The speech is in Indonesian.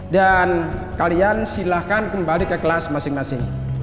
dan kalian silahkan kembali ke kelas masing masing